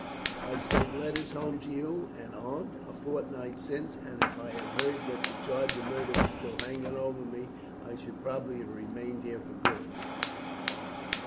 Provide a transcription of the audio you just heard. I sent letters home to you and Aunt a fortnight since, and if I had heard that the charge of murder was still hanging over me I should probably have remained here for good.